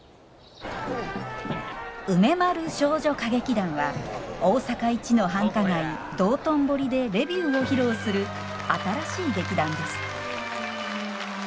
梅丸少女歌劇団は大阪一の繁華街道頓堀でレビューを披露する新しい劇団です